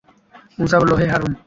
মূসা বলল, হে হারূন!